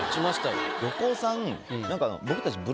横尾さん。